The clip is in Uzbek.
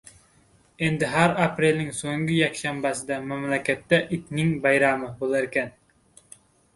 Endi har aprelning soʻnggi yakshanbasida mamlakatda itning bayrami...boʻlarkan.